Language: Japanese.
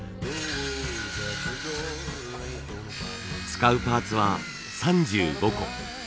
使うパーツは３５個。